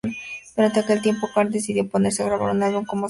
Durante aquel tiempo, Carl decidió ponerse a grabar un álbum como solista.